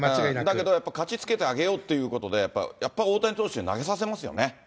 だけどやっぱり勝ちつけてあげようということで、やっぱり大谷投手に投げさせますよね。